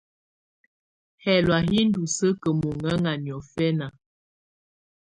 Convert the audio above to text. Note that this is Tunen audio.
Hɛlɔ̀á hi ndù sǝ́kǝ́ mɔhɛŋa niɔ̀fɛna.